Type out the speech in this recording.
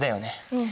うん。